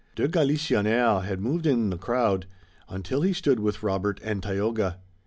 De Galisonnière had moved in the crowd, until he stood with Robert and Tayoga.